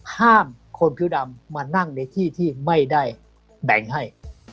ห้ามคนผิวดำมานั่งในที่ที่ไม่ได้แบ่งให้